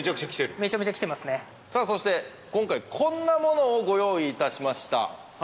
そして、今回こんなものをご用意いたしました。